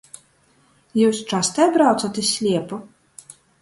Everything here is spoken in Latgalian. Jius častai braucat iz sliepu?